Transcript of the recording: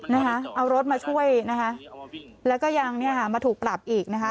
นะคะเอารถมาช่วยนะคะแล้วก็ยังเนี่ยค่ะมาถูกปรับอีกนะคะ